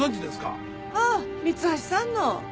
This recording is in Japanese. ああ三橋さんの。